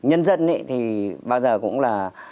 nhân dân thì bao giờ cũng là